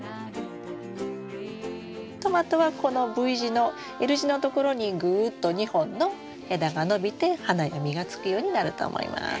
トマトはこのＶ字のＬ字のところにぐっと２本の枝が伸びて花や実がつくようになると思います。